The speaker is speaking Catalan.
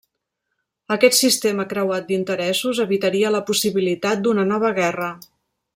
Aquest sistema creuat d'interessos evitaria la possibilitat d'una nova guerra.